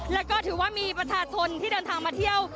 แล้วก็ถือว่ามีประชาชนที่เดินทางมาเที่ยว